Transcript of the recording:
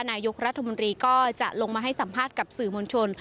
นายกรัฐมนตรีก็จะลงมาให้สัมภาษณ์กับสื่อมวลชน